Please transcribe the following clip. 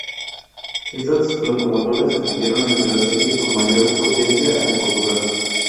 Estas locomotoras estuvieron entre las series con mayor potencia en Portugal.